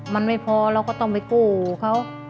มันไม่พอเราก็ต้องไปกู้เขา